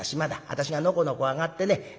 私がのこのこ上がってね